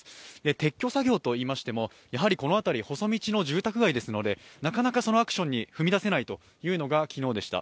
撤去作業といいましても、この辺り細道の住宅街ですのでなかなかそのアクションに踏み出せないというのが昨日でした。